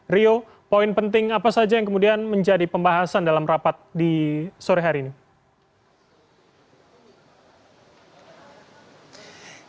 rio poin penting apa saja yang kemudian menjadi pembahasan dalam rapat di sore hari ini